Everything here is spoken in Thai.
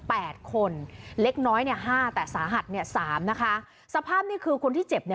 แปดคนเล็กน้อยเนี่ยห้าแต่สาหัสเนี่ยสามนะคะสภาพนี่คือคนที่เจ็บเนี่ย